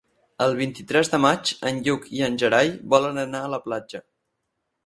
El vint-i-tres de maig en Lluc i en Gerai volen anar a la platja.